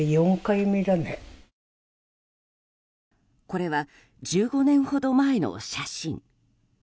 これは、１５年ほど前の写真。